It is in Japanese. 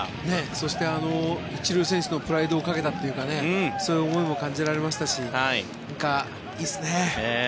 そして、一流選手のプライドをかけたというかそういう思いも感じられましたしいいですね。